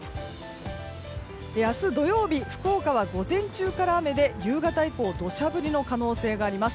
明日土曜日福岡は午前中から雨で夕方以降土砂降りの可能性があります。